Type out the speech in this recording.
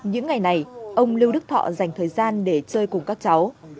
những ngày này ông lưu đức thọ dành thời gian để chơi cùng các cháu